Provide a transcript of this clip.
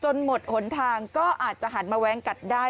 หมดหนทางก็อาจจะหันมาแว้งกัดได้